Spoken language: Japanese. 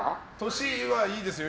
年はいいですよ。